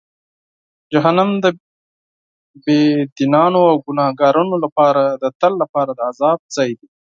جهنم د بېدینانو او ګناهکارانو لپاره د تل لپاره د عذاب ځای دی.